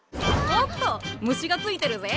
おっと虫がついてるぜ！